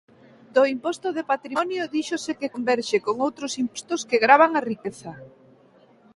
Do imposto de patrimonio díxose que converxe con outros impostos que gravan a riqueza.